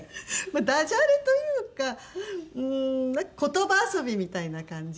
まあダジャレというかうーん言葉遊びみたいな感じ？